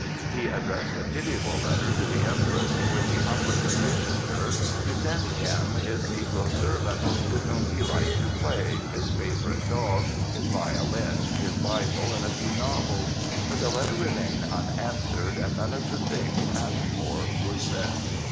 He addressed a pitiable letter to the Empress in which he humbly petitioned her to send him his negro servant, with whom he liked to play, his favorite dog, his violin, his Bible and a few novels. But the letter remained unanswered, and none of the things asked for were sent.